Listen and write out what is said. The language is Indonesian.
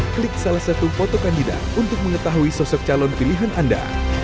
klik salah satu foto kandidat untuk mengetahui sosok calon pilihan anda